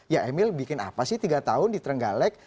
ya emil bikin apa sih tiga tahun di trenggalek